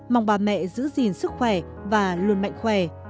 mong bà mẹ giữ gìn sức khỏe và luôn mạnh khỏe